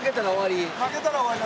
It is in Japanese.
負けたら終わり？